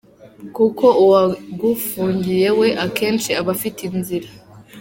Kuko uwagufungiye we akenshi aba afite inzira.